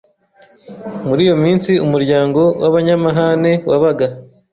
Muri iyo minsi, umuryango w’abanyamahane wabaga.